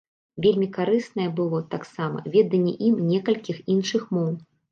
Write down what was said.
Вельмі карыснае было, таксама, веданне ім некалькіх іншых моў.